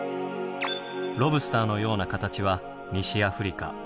ロブスターのような形は西アフリカガーナのもの。